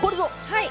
はい！